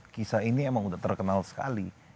kisah ini emang udah terkenal sekali